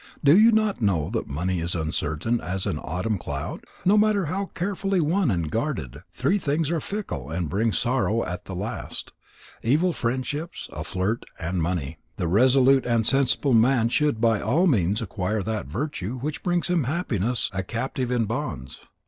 Do you not know that money is uncertain as an autumn cloud? No matter how carefully won and guarded, three things are fickle and bring sorrow at the last: evil friendships, a flirt, and money. The resolute and sensible man should by all means acquire that virtue which brings him Happiness a captive in bonds."